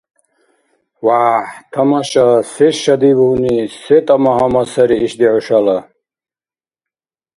ВяхӀхӀ! Тамаша! Се шадибгьуни, се тӀама-гьама сари ишди хӀушала?